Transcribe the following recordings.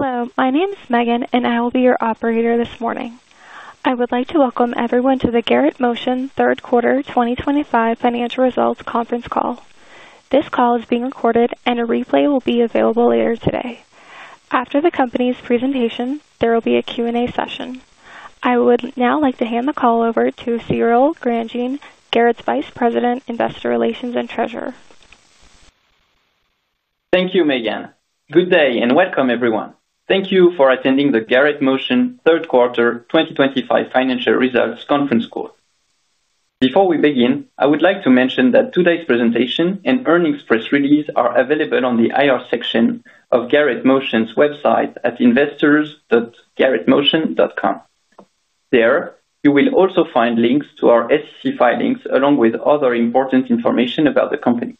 Hello, my name is Megan, and I will be your operator this morning. I would like to welcome everyone to the Garrett Motion Third Quarter 2025 Financial Results Conference Call. This call is being recorded, and a replay will be available later today. After the company's presentation, there will be a Q&A session. I would now like to hand the call over to Cyril Grandjean, Garrett's Vice President, Investor Relations and Treasurer. Thank you, Megan. Good day and welcome, everyone. Thank you for attending the Garrett Motion Third Quarter 2025 Financial Results Conference Call. Before we begin, I would like to mention that today's presentation and earnings press release are available on the IR section of Garrett Motion's website at investors.garrettmotion.com. There, you will also find links to our SEC filings, along with other important information about the company.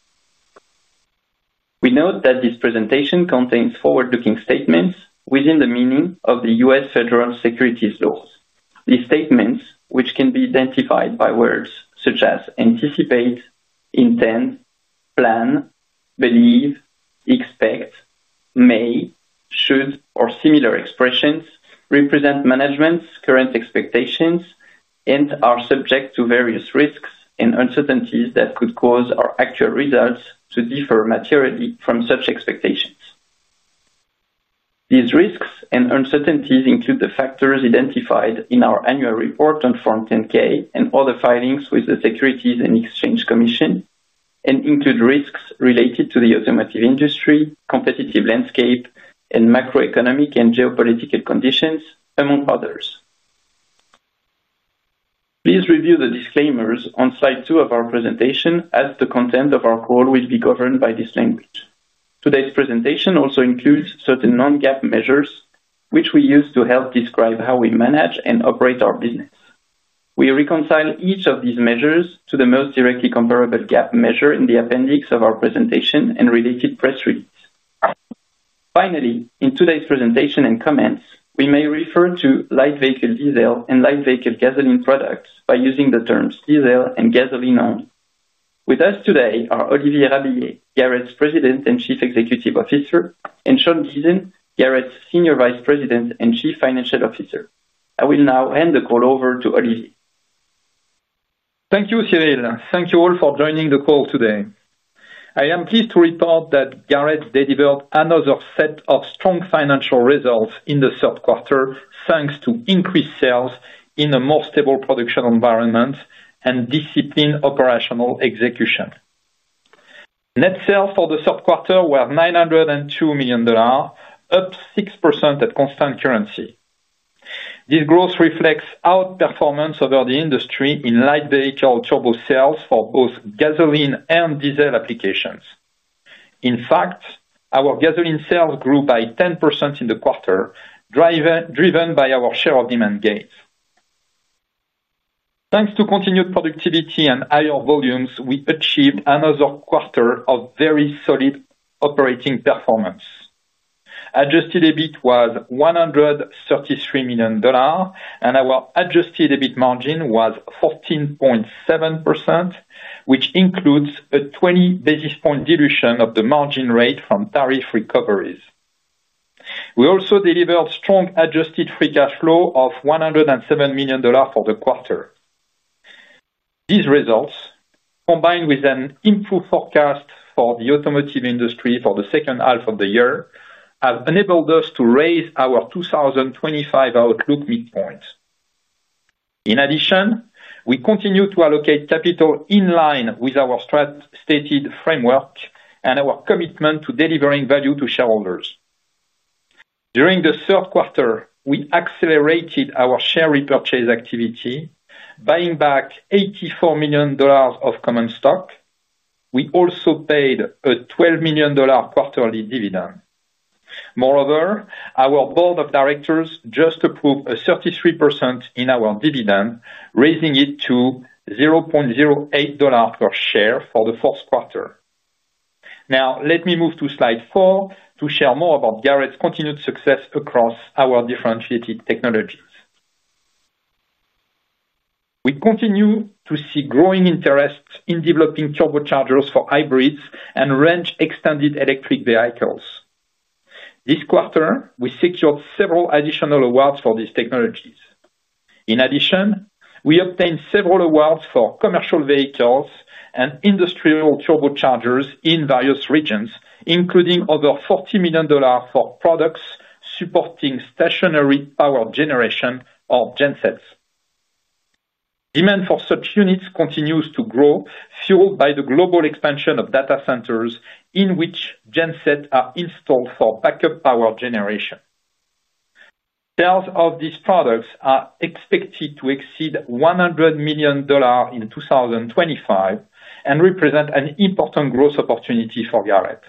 We note that this presentation contains forward-looking statements within the meaning of the U.S. Federal Securities Laws. These statements, which can be identified by words such as anticipate, intend, plan, believe, expect, may, should, or similar expressions, represent management's current expectations and are subject to various risks and uncertainties that could cause our actual results to differ materially from such expectations. These risks and uncertainties include the factors identified in our annual report on Form 10-K and all the filings with the Securities and Exchange Commission, and include risks related to the automotive industry, competitive landscape, and macroeconomic and geopolitical conditions, among others. Please review the disclaimers on slide two of our presentation, as the content of our call will be governed by this language. Today's presentation also includes certain non-GAAP measures, which we use to help describe how we manage and operate our business. We reconcile each of these measures to the most directly comparable GAAP measure in the appendix of our presentation and related press release. Finally, in today's presentation and comments, we may refer to light vehicle diesel and light vehicle gasoline products by using the terms diesel and gasoline only. With us today are Olivier Rabiller, Garrett's President and Chief Executive Officer, and Sean Deason, Garrett's Senior Vice President and Chief Financial Officer. I will now hand the call over to Olivier. Thank you, Cyril. Thank you all for joining the call today. I am pleased to report that Garrett delivered another set of strong financial results in the third quarter, thanks to increased sales in a more stable production environment and disciplined operational execution. Net sales for the third quarter were $902 million, up 6% at constant currency. This growth reflects outperformance over the industry in light vehicle turbo sales for both gasoline and diesel applications. In fact, our gasoline sales grew by 10% in the quarter, driven by our share of demand gains. Thanks to continued productivity and higher volumes, we achieved another quarter of very solid operating performance. Adjusted EBIT was $133 million, and our adjusted EBIT margin was 14.7%, which includes a 20 basis point dilution of the margin rate from tariff recoveries. We also delivered strong adjusted free cash flow of $107 million for the quarter. These results, combined with an improved forecast for the automotive industry for the second half of the year, have enabled us to raise our 2025 outlook midpoint. In addition, we continue to allocate capital in line with our strategic framework and our commitment to delivering value to shareholders. During the third quarter, we accelerated our share repurchase activity, buying back $84 million of common stock. We also paid a $12 million quarterly dividend. Moreover, our board of directors just approved a 33% increase in our dividend, raising it to $0.08 per share for the fourth quarter. Now, let me move to slide four to share more about Garrett's continued success across our differentiated technologies. We continue to see growing interest in developing turbochargers for hybrids and range-extended electric vehicles. This quarter, we secured several additional awards for these technologies. In addition, we obtained several awards for commercial vehicles and industrial turbochargers in various regions, including over $40 million for products supporting stationary power generation or gensets. Demand for such units continues to grow, fueled by the global expansion of data centers in which gensets are installed for backup power generation. Sales of these products are expected to exceed $100 million in 2025 and represent an important growth opportunity for Garrett.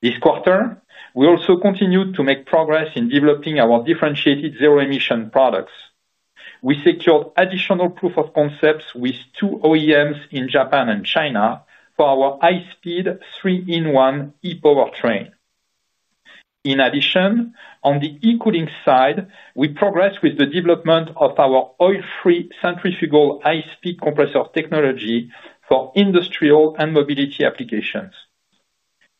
This quarter, we also continued to make progress in developing our differentiated zero-emission products. We secured additional proof of concepts with two OEMs in Japan and China for our high-speed three-in-one e-power train. In addition, on the eco-link side, we progressed with the development of our oil-free centrifugal high-speed compressor technology for industrial and mobility applications.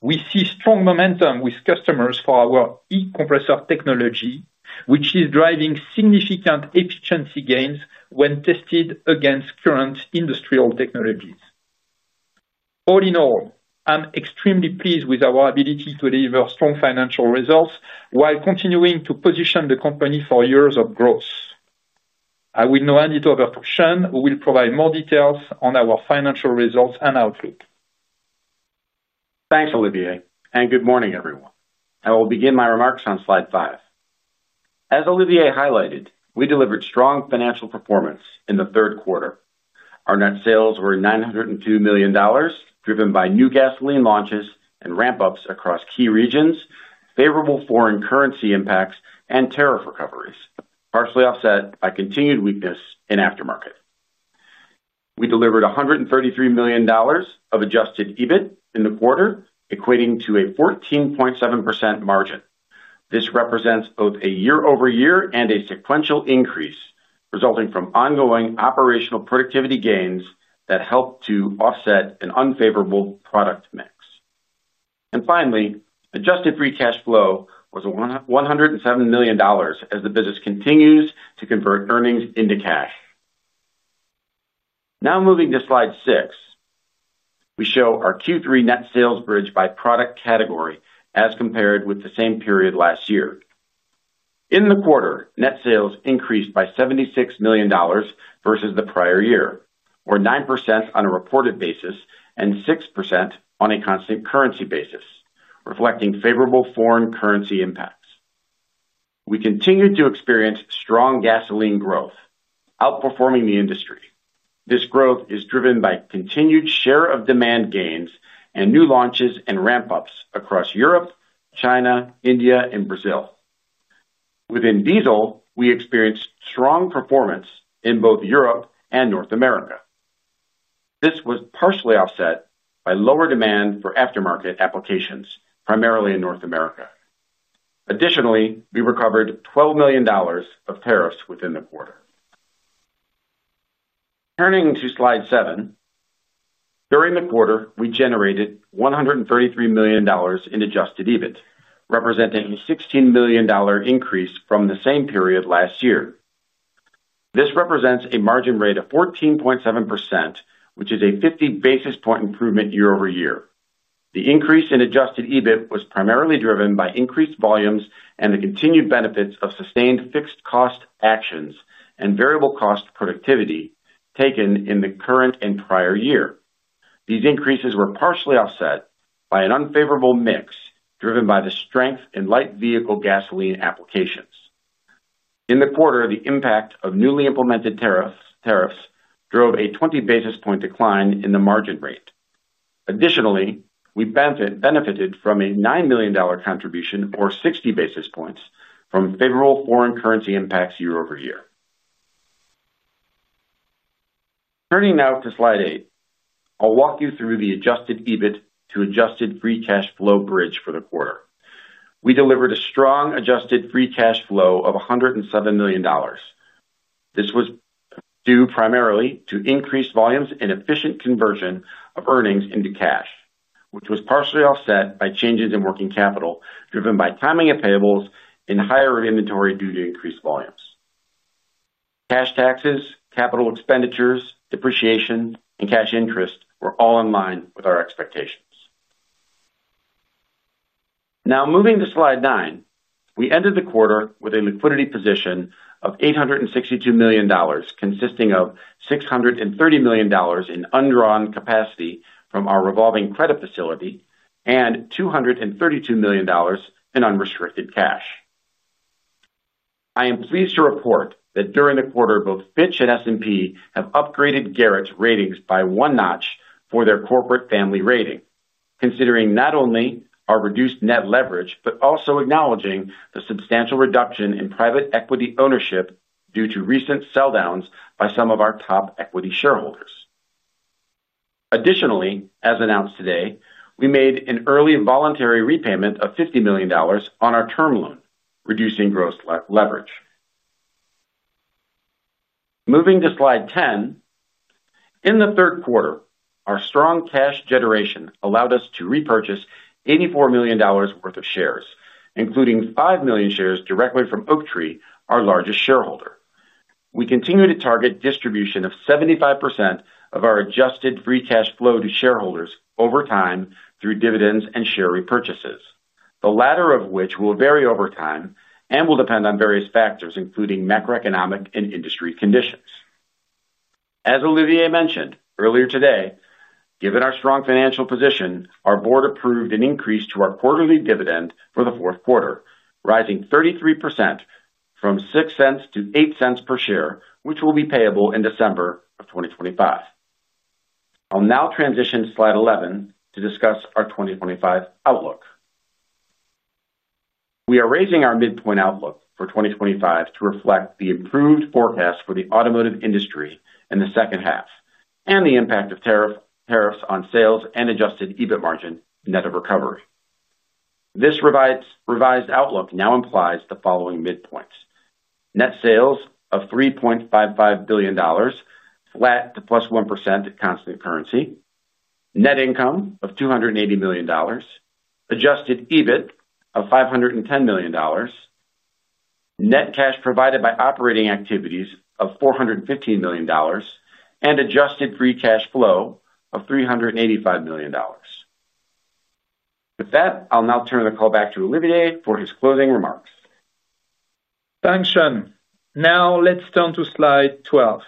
We see strong momentum with customers for our e-compressor technology, which is driving significant efficiency gains when tested against current industrial technologies. All in all, I'm extremely pleased with our ability to deliver strong financial results while continuing to position the company for years of growth. I will now hand it over to Sean, who will provide more details on our financial results and outlook. Thanks, Olivier, and good morning, everyone. I will begin my remarks on slide five. As Olivier highlighted, we delivered strong financial performance in the third quarter. Our net sales were $902 million, driven by new gasoline launches and ramp-ups across key regions, favorable foreign currency impacts, and tariff recoveries, partially offset by continued weakness in aftermarket. We delivered $133 million of adjusted EBIT in the quarter, equating to a 14.7% margin. This represents both a year-over-year and a sequential increase, resulting from ongoing operational productivity gains that helped to offset an unfavorable product mix. Finally, adjusted free cash flow was $107 million as the business continues to convert earnings into cash. Now moving to slide six, we show our Q3 net sales bridge by product category as compared with the same period last year. In the quarter, net sales increased by $76 million versus the prior year, or 9% on a reported basis and 6% on a constant currency basis, reflecting favorable foreign currency impacts. We continue to experience strong gasoline growth, outperforming the industry. This growth is driven by continued share of demand gains and new launches and ramp-ups across Europe, China, India, and Brazil. Within diesel, we experienced strong performance in both Europe and North America. This was partially offset by lower demand for aftermarket applications, primarily in North America. Additionally, we recovered $12 million of tariffs within the quarter. Turning to slide seven, during the quarter, we generated $133 million in adjusted EBIT, representing a $16 million increase from the same period last year. This represents a margin rate of 14.7%, which is a 50 basis point improvement year over year. The increase in adjusted EBIT was primarily driven by increased volumes and the continued benefits of sustained fixed cost actions and variable cost productivity taken in the current and prior year. These increases were partially offset by an unfavorable mix driven by the strength in light vehicle gasoline applications. In the quarter, the impact of newly implemented tariffs drove a 20 basis point decline in the margin rate. Additionally, we benefited from a $9 million contribution, or 60 basis points, from favorable foreign currency impacts year over year. Turning now to slide eight, I'll walk you through the adjusted EBIT to adjusted free cash flow bridge for the quarter. We delivered a strong adjusted free cash flow of $107 million. This was due primarily to increased volumes and efficient conversion of earnings into cash, which was partially offset by changes in working capital, driven by timing of payables and higher inventory due to increased volumes. Cash taxes, capital expenditures, depreciation, and cash interest were all in line with our expectations. Now moving to slide nine, we ended the quarter with a liquidity position of $862 million, consisting of $630 million in undrawn capacity from our revolving credit facility and $232 million in unrestricted cash. I am pleased to report that during the quarter, both Fitch and S&P have upgraded Garrett Motion's ratings by one notch for their corporate family rating, considering not only our reduced net leverage but also acknowledging the substantial reduction in private equity ownership due to recent sell-downs by some of our top equity shareholders. Additionally, as announced today, we made an early voluntary repayment of $50 million on our term loan, reducing gross leverage. Moving to slide 10, in the third quarter, our strong cash generation allowed us to repurchase $84 million worth of shares, including 5 million shares directly from Oaktree Capital, our largest shareholder. We continue to target distribution of 75% of our adjusted free cash flow to shareholders over time through dividends and share repurchases, the latter of which will vary over time and will depend on various factors, including macroeconomic and industry conditions. As Olivier mentioned earlier today, given our strong financial position, our board approved an increase to our quarterly dividend for the fourth quarter, rising 33% from $0.06 to $0.08 per share, which will be payable in December of 2025. I'll now transition to slide 11 to discuss our 2025 outlook. We are raising our midpoint outlook for 2025 to reflect the improved forecast for the automotive industry in the second half and the impact of tariffs on sales and adjusted EBIT margin net of recovery. This revised outlook now implies the following midpoints: net sales of $3.55 billion, flat to plus 1% constant currency, net income of $280 million, adjusted EBIT of $510 million, net cash provided by operating activities of $415 million, and adjusted free cash flow of $385 million. With that, I'll now turn the call back to Olivier for his closing remarks. Thanks, Sean. Now let's turn to slide 12.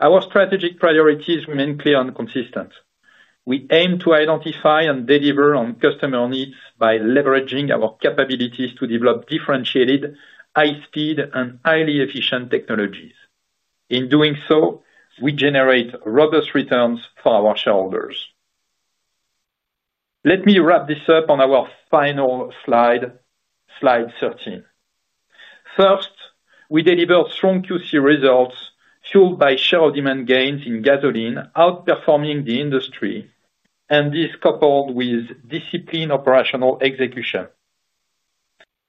Our strategic priorities remain clear and consistent. We aim to identify and deliver on customer needs by leveraging our capabilities to develop differentiated, high-speed, and highly efficient technologies. In doing so, we generate robust returns for our shareholders. Let me wrap this up on our final slide, slide 13. First, we delivered strong Q3 results fueled by share of demand gains in gasoline, outperforming the industry, and this coupled with disciplined operational execution.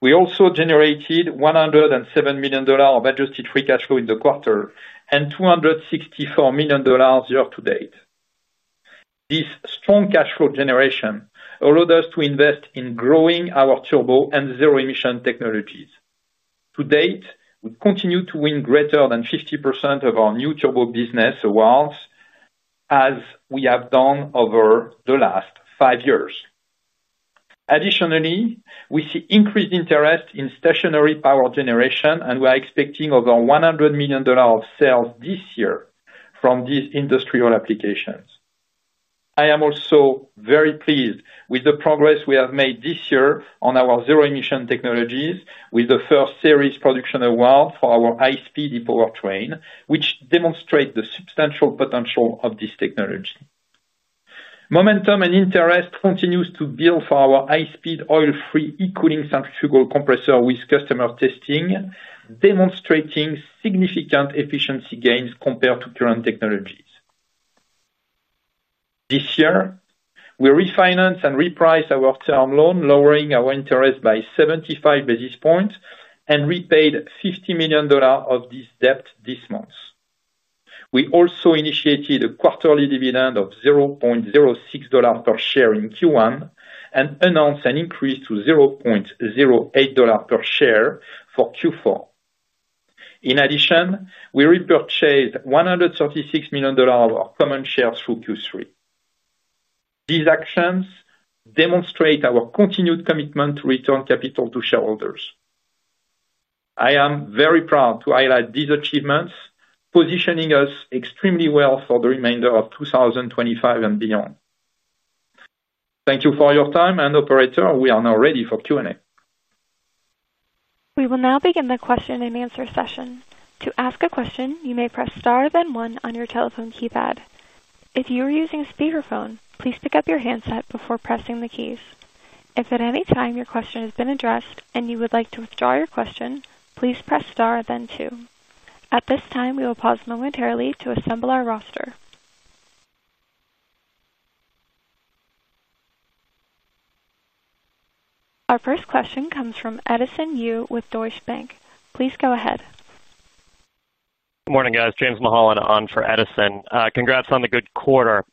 We also generated $107 million of adjusted free cash flow in the quarter and $264 million year to date. This strong cash flow generation allowed us to invest in growing our turbo and zero-emission technologies. To date, we continue to win greater than 50% of our new turbo business awards, as we have done over the last five years. Additionally, we see increased interest in stationary power generation, and we are expecting over $100 million of sales this year from these industrial applications. I am also very pleased with the progress we have made this year on our zero-emission technologies, with the first series production award for our high-speed e-power train, which demonstrates the substantial potential of this technology. Momentum and interest continue to build for our high-speed oil-free eco-link centrifugal compressor with customer testing, demonstrating significant efficiency gains compared to current technologies. This year, we refinanced and repriced our term loan, lowering our interest by 75 basis points, and repaid $50 million of this debt this month. We also initiated a quarterly dividend of $0.06 per share in Q1 and announced an increase to $0.08 per share for Q4. In addition, we repurchased $136 million of our common shares through Q3. These actions demonstrate our continued commitment to return capital to shareholders. I am very proud to highlight these achievements, positioning us extremely well for the remainder of 2025 and beyond. Thank you for your time, and operator, we are now ready for Q&A. We will now begin the question and answer session. To ask a question, you may press star, then one on your telephone keypad. If you are using speakerphone, please pick up your handset before pressing the keys. If at any time your question has been addressed and you would like to withdraw your question, please press star, then two. At this time, we will pause momentarily to assemble our roster. Our first question comes from Edison Yu with Deutsche Bank. Please go ahead. Morning, guys. James Mahalan on for Edison. Congrats on the good quarter.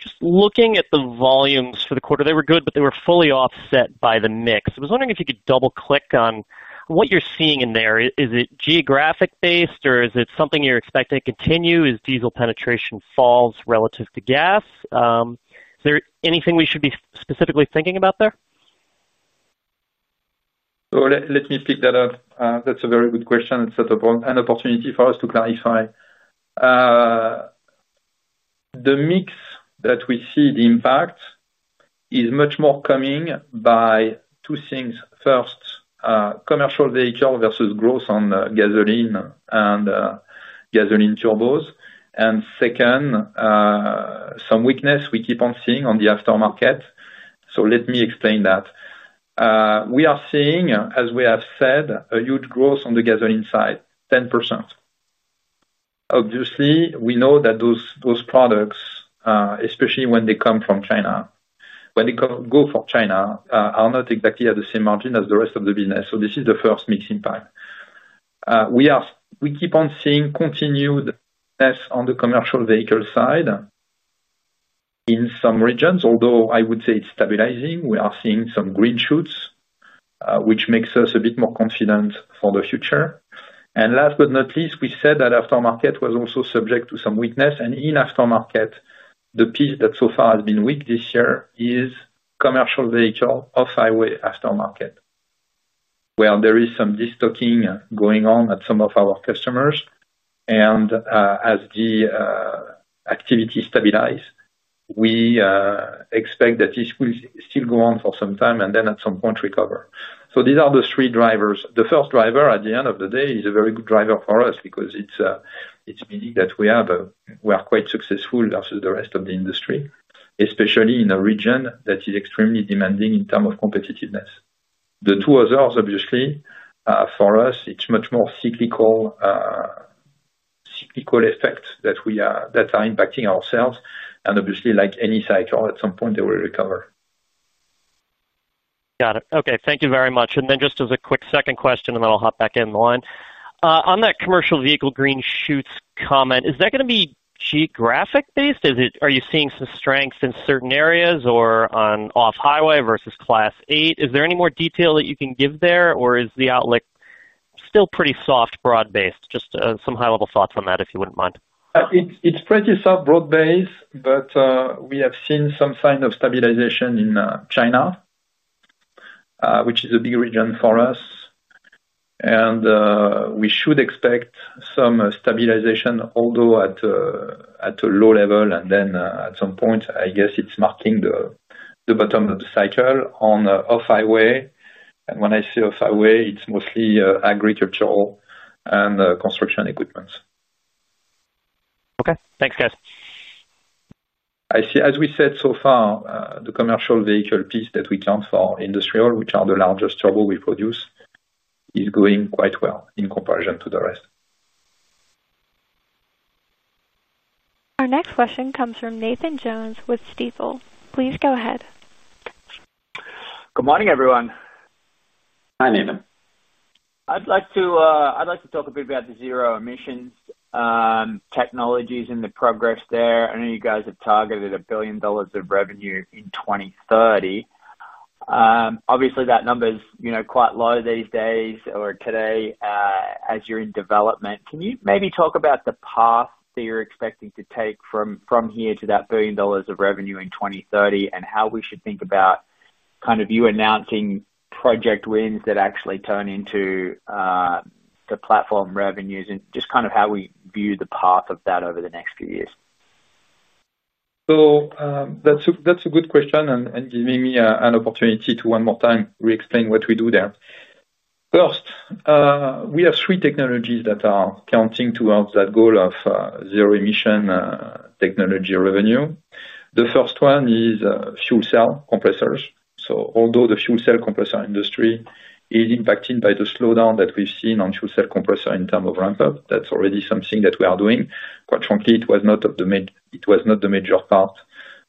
Just looking at the volumes for the quarter, they were good, but they were fully offset by the mix. I was wondering if you could double-click on what you're seeing in there. Is it geographic-based, or is it something you're expecting to continue as diesel penetration falls relative to gas? Is there anything we should be specifically thinking about there? Let me pick that up. That's a very good question. It's an opportunity for us to clarify. The mix that we see, the impact, is much more coming by two things. First, commercial vehicle versus growth on gasoline and gasoline turbos. Second, some weakness we keep on seeing on the aftermarket. Let me explain that. We are seeing, as we have said, a huge growth on the gasoline side, 10%. Obviously, we know that those products, especially when they come from China, when they go for China, are not exactly at the same margin as the rest of the business. This is the first mix impact. We keep on seeing continuedness on the commercial vehicle side in some regions, although I would say it's stabilizing. We are seeing some green shoots, which makes us a bit more confident for the future. Last but not least, we said that aftermarket was also subject to some weakness. In aftermarket, the piece that so far has been weak this year is commercial vehicle off-highway aftermarket, where there is some destocking going on at some of our customers. As the activity stabilizes, we expect that this will still go on for some time and then at some point recover. These are the three drivers. The first driver, at the end of the day, is a very good driver for us because it's meaning that we are quite successful versus the rest of the industry, especially in a region that is extremely demanding in terms of competitiveness. The two others, obviously, for us, it's much more cyclical effects that are impacting ourselves. Obviously, like any cycle, at some point, they will recover. Got it. Okay. Thank you very much. Just as a quick second question, then I'll hop back in the line. On that commercial vehicle green shoots comment, is that going to be geographic-based? Are you seeing some strength in certain areas or on off-highway versus class eight? Is there any more detail that you can give there, or is the outlook still pretty soft, broad-based? Just some high-level thoughts on that, if you wouldn't mind. It's pretty soft, broad-based, but we have seen some signs of stabilization in China, which is a big region for us. We should expect some stabilization, although at a low level. At some point, I guess it's marking the bottom of the cycle on off-highway. When I say off-highway, it's mostly agricultural and construction equipment. Okay, thanks, guys. I see, as we said so far, the commercial vehicle piece that we count for industrial, which are the largest turbochargers we produce, is going quite well in comparison to the rest. Our next question comes from Nathan Jones with Stifel. Please go ahead. Good morning, everyone. Hi, Nathan. I'd like to talk a bit about the zero-emission technologies and the progress there. I know you guys have targeted $1 billion of revenue in 2030. Obviously, that number is quite low these days or today as you're in development. Can you maybe talk about the path that you're expecting to take from here to that $1 billion of revenue in 2030 and how we should think about you announcing project wins that actually turn into the platform revenues and just how we view the path of that over the next few years? That's a good question and gives me an opportunity to one more time re-explain what we do there. First, we have three technologies that are counting towards that goal of zero-emission technology revenue. The first one is fuel cell compressors. Although the fuel cell compressor industry is impacted by the slowdown that we've seen on fuel cell compressor in terms of ramp-up, that's already something that we are doing. Quite frankly, it was not the major part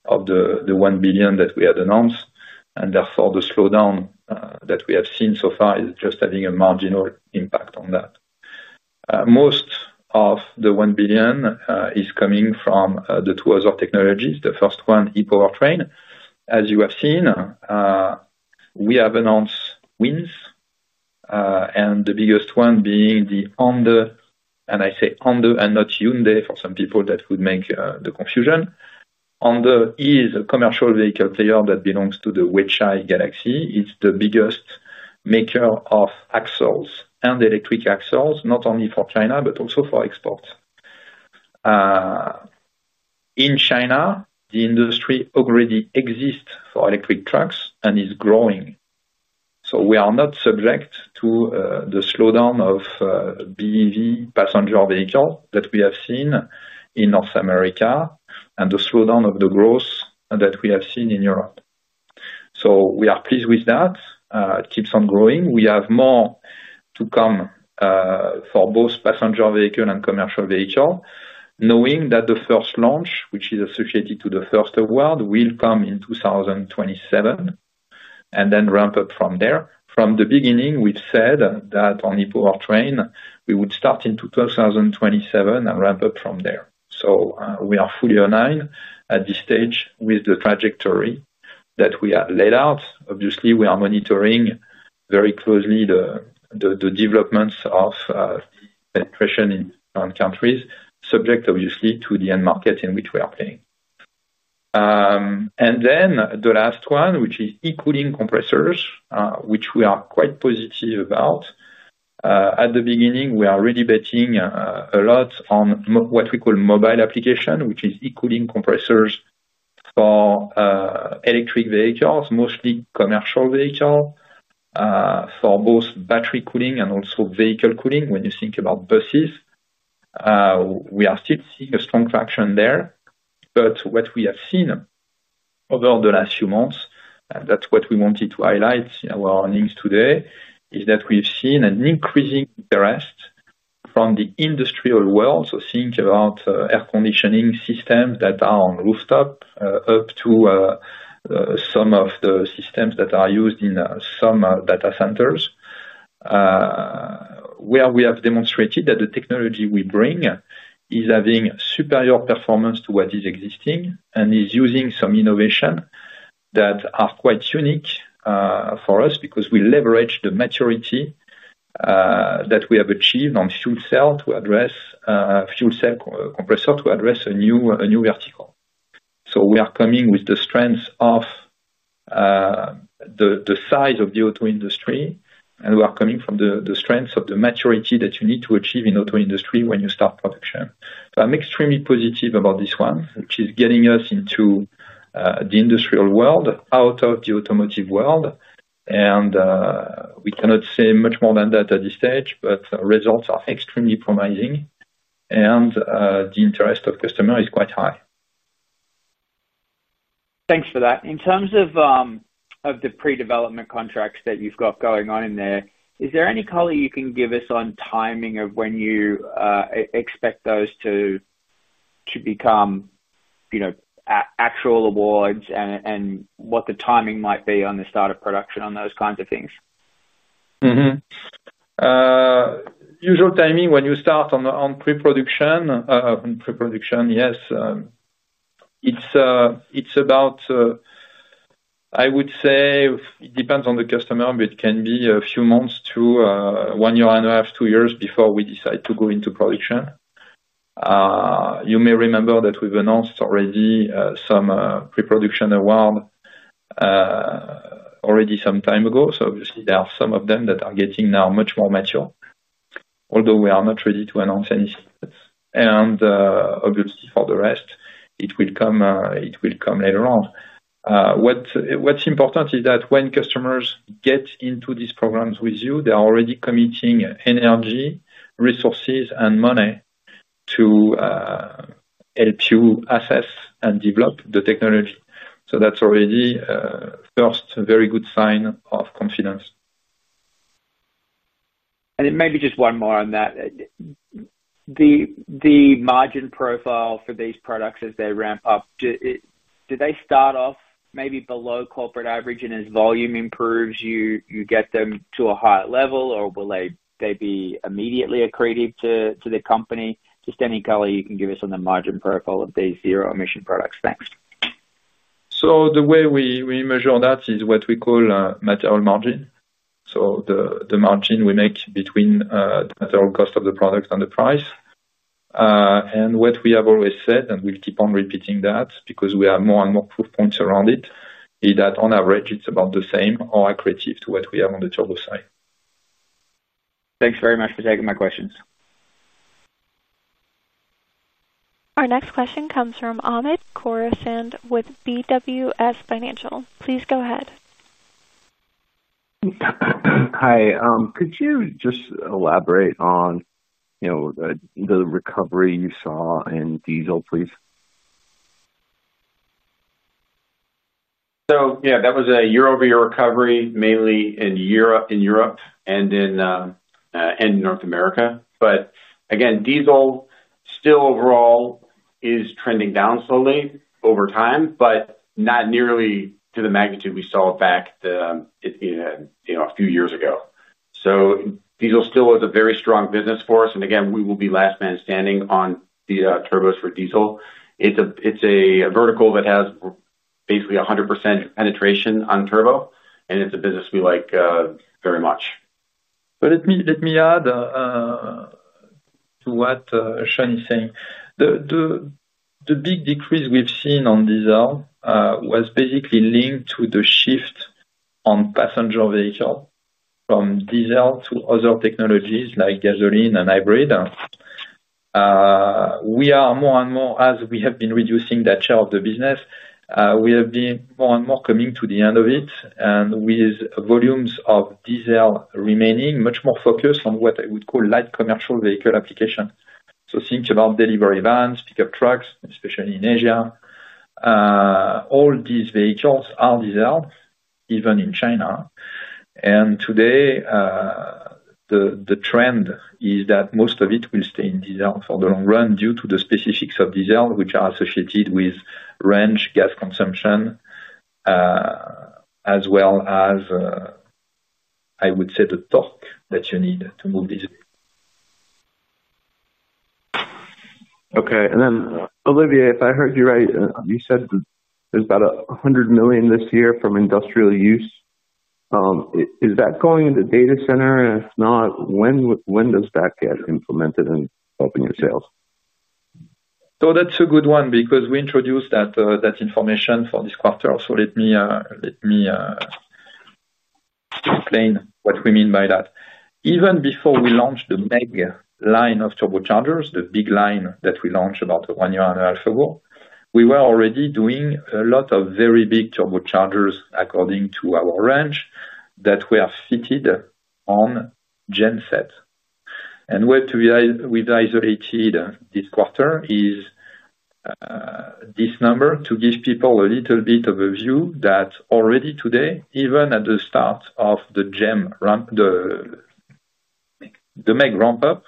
of the $1 billion that we had announced. Therefore, the slowdown that we have seen so far is just having a marginal impact on that. Most of the $1 billion is coming from the two other technologies. The first one, e-power train. As you have seen, we have announced wins, and the biggest one being the Honda. I say Honda and not Hyundai for some people that would make the confusion. Honda is a commercial vehicle player that belongs to the Weichai Galaxy. It's the biggest maker of axles and electric axles, not only for China but also for exports. In China, the industry already exists for electric trucks and is growing. We are not subject to the slowdown of BEV, passenger vehicle, that we have seen in North America and the slowdown of the growth that we have seen in Europe. We are pleased with that. It keeps on growing. We have more to come for both passenger vehicle and commercial vehicle, knowing that the first launch, which is associated to the first award, will come in 2027 and then ramp up from there. From the beginning, we've said that on e-power train, we would start in 2027 and ramp up from there. We are fully aligned at this stage with the trajectory that we have laid out. Obviously, we are monitoring very closely the developments of the penetration in different countries, subject obviously to the end market in which we are playing. The last one, which is eco-link compressors, we are quite positive about. At the beginning, we are really betting a lot on what we call mobile application, which is eco-link compressors for electric vehicles, mostly commercial vehicles, for both battery cooling and also vehicle cooling. When you think about buses, we are still seeing a strong traction there. What we have seen over the last few months, and that's what we wanted to highlight in our earnings today, is that we've seen an increasing interest from the industrial world. Think about air conditioning systems that are on rooftop, up to some of the systems that are used in some data centers, where we have demonstrated that the technology we bring is having superior performance to what is existing and is using some innovations that are quite unique for us because we leverage the maturity that we have achieved on fuel cell to address fuel cell compressor to address a new vertical. We are coming with the strengths of the size of the auto industry, and we are coming from the strengths of the maturity that you need to achieve in the auto industry when you start production. I'm extremely positive about this one, which is getting us into the industrial world out of the automotive world. We cannot say much more than that at this stage, but results are extremely promising, and the interest of customers is quite high. Thanks for that. In terms of the pre-development contracts that you've got going on in there, is there any color you can give us on timing of when you expect those to become actual awards, and what the timing might be on the start of production on those kinds of things? Usual timing when you start on pre-production, yes. It's about, I would say, it depends on the customer, but it can be a few months to one year and a half, two years before we decide to go into production. You may remember that we've announced already some pre-production awards already some time ago. Obviously, there are some of them that are getting now much more mature, although we are not ready to announce anything. For the rest, it will come later on. What's important is that when customers get into these programs with you, they are already committing energy, resources, and money to help you assess and develop the technology. That's already a first very good sign of confidence. It may be just one more on that. The margin profile for these products as they ramp up, do they start off maybe below corporate average and as volume improves, you get them to a higher level, or will they be immediately accretive to the company? Just any color you can give us on the margin profile of these zero-emission products. Thanks. So the way we measure that is what we call a material margin. The margin we make between the total cost of the product and the price. What we have always said, and we'll keep on repeating that because we have more and more proof points around it, is that on average, it's about the same or accretive to what we have on the turbo side. Thanks very much for taking my questions. Our next question comes from Hamed Khorsand with BWS Financial. Please go ahead. Hi. Could you just elaborate on, you know, the recovery you saw in diesel, please? That was a year-over-year recovery, mainly in Europe and in North America. Again diesel still overall is trending down slowly over time, but not nearly to the magnitude we saw back a few years ago. Diesel still is a very strong business for us. We will be last man standing on the turbos for diesel. It's a vertical that has basically 100% penetration on turbo, and it's a business we like very much. Let me add to what Sean is saying. The big decrease we've seen on diesel was basically linked to the shift on passenger vehicle from diesel to other technologies like gasoline and hybrid. We are more and more, as we have been reducing that share of the business, coming to the end of it. With volumes of diesel remaining, much more focused on what I would call light commercial vehicle application, think about delivery vans, pickup trucks, especially in Asia. All these vehicles are diesel, even in China. Today, the trend is that most of it will stay in diesel for the long run due to the specifics of diesel, which are associated with range, gas consumption, as well as the torque that you need to move diesel. Okay. Olivier, if I heard you right, you said there's about $100 million this year from industrial use. Is that going into data center? If not, when does that get implemented in helping your sales? That's a good one because we introduced that information for this quarter. Let me explain what we mean by that. Even before we launched the meg line of turbochargers, the big line that we launched about one year and a half ago, we were already doing a lot of very big turbochargers according to our range that were fitted on gensets. What we've isolated this quarter is this number to give people a little bit of a view that already today, even at the start of the meg ramp-up,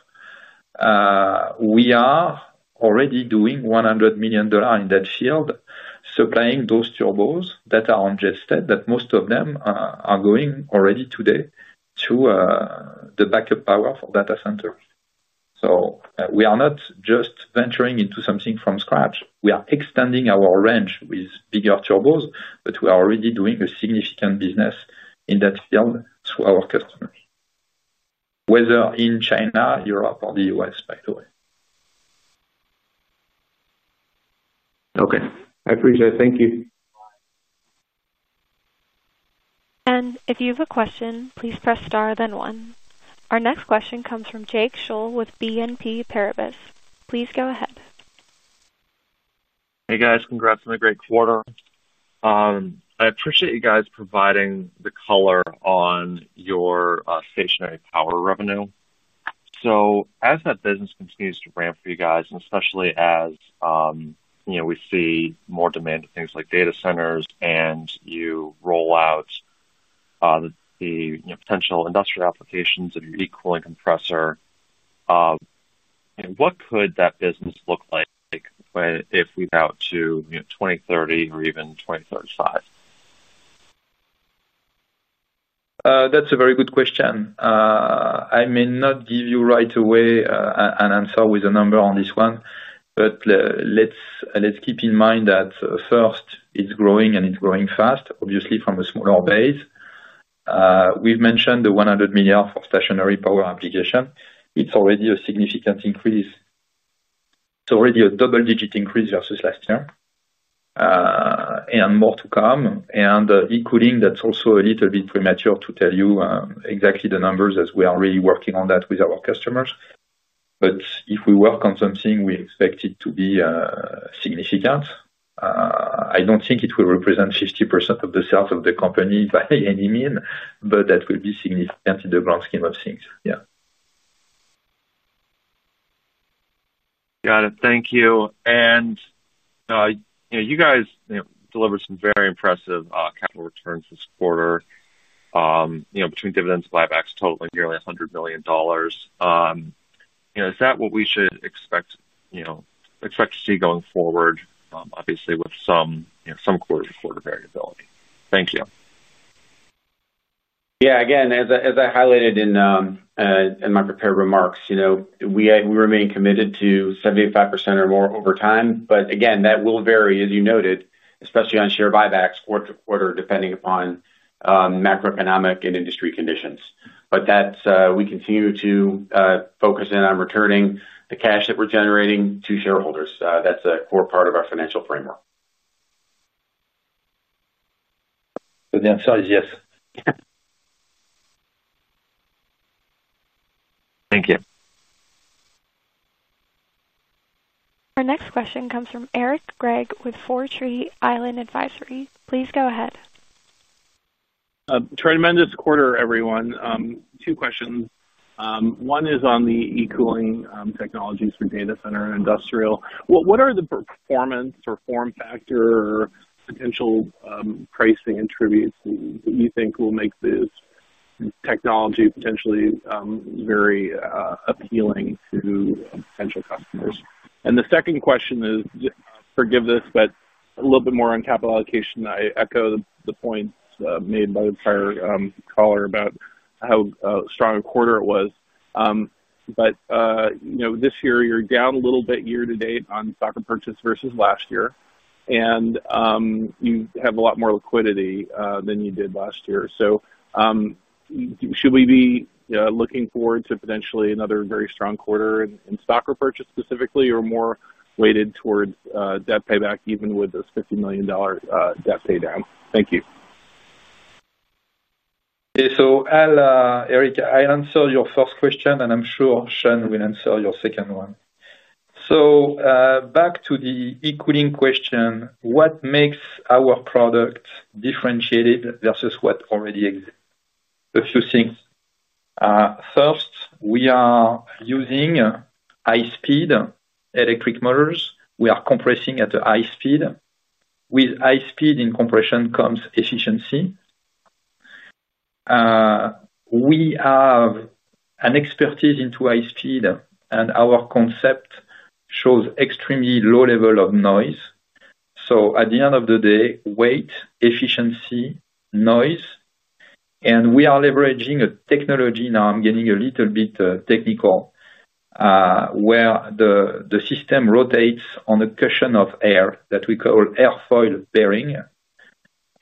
we are already doing $100 million in that field, supplying those turbos that are on gensets. Most of them are going already today to the backup power for data centers. We are not just venturing into something from scratch. We are extending our range with bigger turbos, but we are already doing a significant business in that field through our customers, whether in China, Europe, or the U.S., by the way. Okay, I appreciate it. Thank you. If you have a question, please press star, then one. Our next question comes from Jake Scholl with BNP Paribas. Please go ahead. Hey, guys. Congrats on the great quarter. I appreciate you guys providing the color on your stationary power revenue. As that business continues to ramp for you guys, especially as we see more demand for things like data centers and you roll out the potential industrial applications of your eco-link centrifugal compressor, what could that business look like if we look out to 2030 or even 2035? That's a very good question. I may not give you right away an answer with a number on this one, but let's keep in mind that first, it's growing and it's growing fast, obviously from a smaller base. We've mentioned the $100 million for stationary power application. It's already a significant increase. It's already a double-digit increase versus last year. More to come. The eco-link centrifugal compressor, that's also a little bit premature to tell you exactly the numbers as we are really working on that with our customers. If we work on something we expect it to be significant. I don't think it will represent 50% of the sales of the company by any means, but that will be significant in the grand scheme of things. Yeah. Thank you. You guys delivered some very impressive capital returns this quarter, between dividends and buybacks totaling nearly $100 million. Is that what we should expect to see going forward, obviously, with some quarter-to-quarter variability? Thank you. Yeah. As I highlighted in my prepared remarks, we remain committed to 75% or more over time. That will vary, as you noted, especially on share buybacks quarter to quarter, depending upon macroeconomic and industry conditions. We continue to focus in on returning the cash that we're generating to shareholders. That's a core part of our financial framework. The answer is yes. Thank you. Our next question comes from Eric Gregg with Four Tree Island Advisory. Please go ahead. Tremendous quarter, everyone. Two questions. One is on the eco-link centrifugal compressor technologies for data center and industrial. What are the performance or form factor or potential pricing attributes that you think will make this technology potentially very appealing to potential customers? The second question is, forgive this, but a little bit more on capital allocation. I echo the points made by the prior caller about how strong a quarter it was. This year, you're down a little bit year to date on stock repurchase versus last year, and you have a lot more liquidity than you did last year. Should we be looking forward to potentially another very strong quarter in stock repurchase specifically, or more weighted towards debt payback, even with this $50 million debt paydown? Thank you. Yeah. Eric, I answered your first question, and I'm sure Sean will answer your second one. So back to the eco-link question, what makes our product differentiated versus what already exists? A few things. First, we are using high-speed electric motors. We are compressing at a high speed. With high speed in compression comes efficiency. We have an expertise into high speed, and our concept shows extremely low level of noise. At the end of the day, weight, efficiency, noise, and we are leveraging a technology. Now I'm getting a little bit technical, where the system rotates on a cushion of air that we call airfoil bearing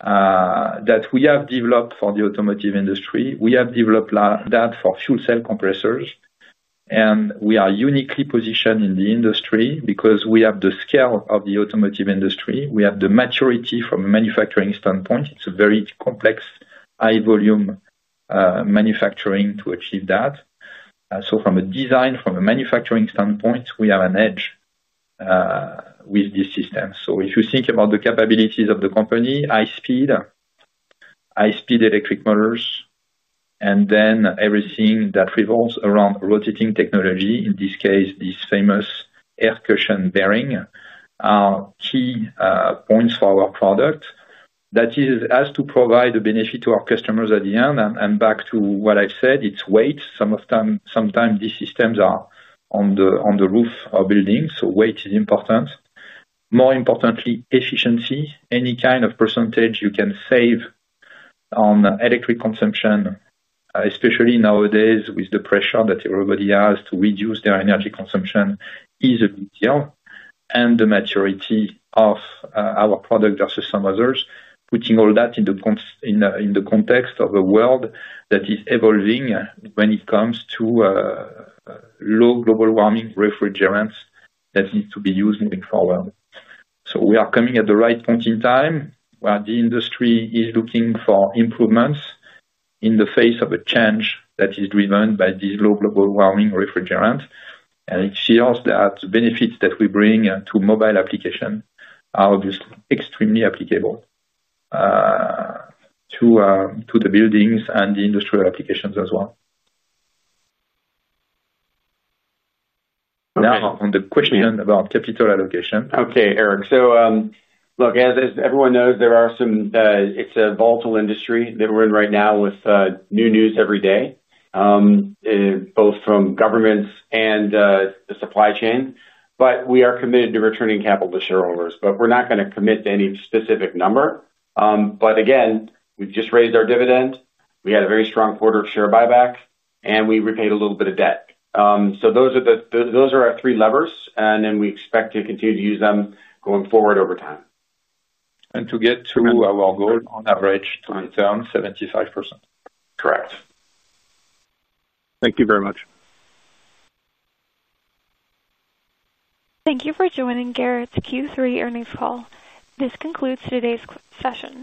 that we have developed for the automotive industry. We have developed that for fuel cell compressors. We are uniquely positioned in the industry because we have the scale of the automotive industry. We have the maturity from a manufacturing standpoint. It's a very complex, high-volume manufacturing to achieve that. From a design, from a manufacturing standpoint, we have an edge with this system. If you think about the capabilities of the company, high speed, high speed electric motors, and then everything that revolves around rotating technology, in this case, this famous air cushion bearing, are key points for our product. That is, as to provide a benefit to our customers at the end. Back to what I've said, it's weight. Sometimes these systems are on the roof of buildings, so weight is important. More importantly, efficiency. Any kind of percentage you can save on electric consumption, especially nowadays with the pressure that everybody has to reduce their energy consumption, is a big deal. The maturity of our product versus some others, putting all that in the context of a world that is evolving when it comes to low global warming refrigerants that need to be used moving forward. We are coming at the right point in time where the industry is looking for improvements in the face of a change that is driven by these low global warming refrigerants. It feels that the benefits that we bring to mobile applications are obviously extremely applicable to the buildings and the industrial applications as well. Now, on the question about capital allocation. Okay, Eric. As everyone knows, it's a volatile industry that we're in right now with new news every day, both from governments and the supply chain. We are committed to returning capital to shareholders. We're not going to commit to any specific number. We've just raised our dividend, had a very strong quarter of share buyback, and repaid a little bit of debt. Those are our three levers, and we expect to continue to use them going forward over time. To get to our goal, on average, on terms, 75%. Correct. Thank you very much. Thank you for joining Garrett Motion's Q3 earnings call. This concludes today's session.